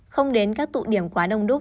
không đến các tụ điểm quá đông đúc